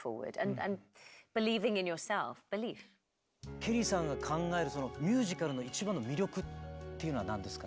ケリーさんが考えるミュージカルの一番の魅力っていうのは何ですか？